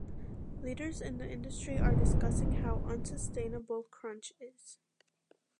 Leaders in the industry are discussing how unsustainable crunch is.